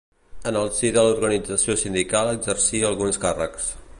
En el si de l'Organització Sindical exerciria alguns càrrecs.